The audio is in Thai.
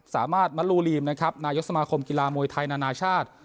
สามารถมัลลูลีมนะครับนายกสมาคมกีฬามวยไทยนานาชาติ